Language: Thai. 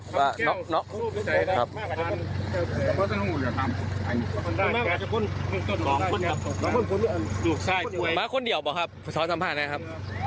สองคนนี่ครับม้าคนเดียวเหรอครับผู้ท้องสัมภาณนะครับ